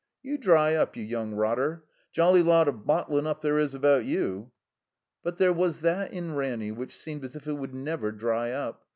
"You dry up, you yoimg rotter. Jolly lot of bottlin' up there is about you." But there was that in Ranny which seemed as if it would never dry up.